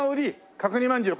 角煮まんじゅう